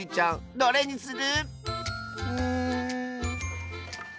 これにする！